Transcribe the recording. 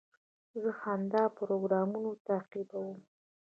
زه د خندا پروګرامونه تعقیبوم.